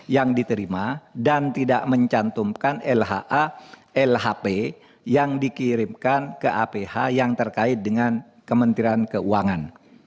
yang diterima dan tidak mencantumkan lha lhp yang dikirimkan ke aph yang terkait dengan kementerian keuangan